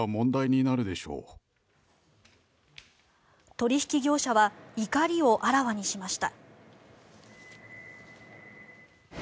取引業者は怒りをあらわにしました。